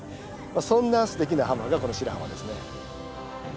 そんなすてきな浜がこの白浜ですね。